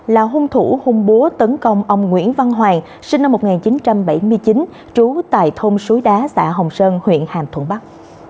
là hung thủ hung bố tấn công ông nguyễn văn hoàng sinh năm một nghìn chín trăm bảy mươi chín trú tại thôn suối đá xã hồng sơn huyện hàm thuận bắc